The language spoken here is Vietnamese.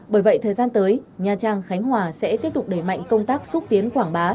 bởi vậy thời gian tới nha trang khánh hòa sẽ tiếp tục đẩy mạnh công tác xúc tiến quảng bá